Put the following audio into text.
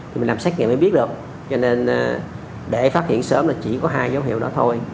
thì mình làm xét nghiệm mới biết được cho nên để phát hiện sớm là chỉ có hai dấu hiệu đó thôi